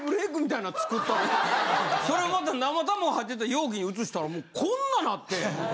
それをまた生卵入ってた容器に移したらもうこんななって。